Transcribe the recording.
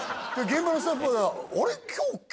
現場のスタッフはあれ？